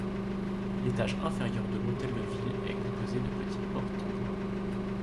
L'étage inférieur de l'Hôtel de ville est composé de petites portes en bois.